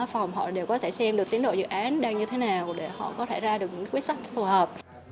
phòng họ đều có thể xem được tiến độ dự án đang như thế nào để họ có thể ra được những quyết sách phù hợp